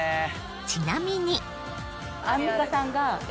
ちなみに。